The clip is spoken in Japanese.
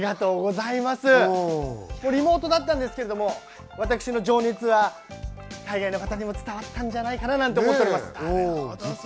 リモートだったんですけど、私の情熱は海外の方にも伝わったんじゃないかと思っています。